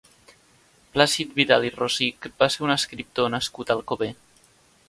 Plàcid Vidal i Rosich va ser un escriptor nascut a Alcover.